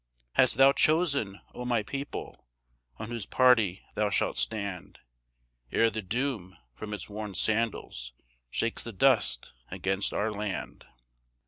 Hast thou chosen, O my people, on whose party thou shalt stand, Ere the Doom from its worn sandals shakes the dust against our land?